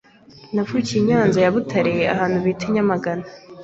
navukiye I nyanza ya butare ahantu bita I nyamagana,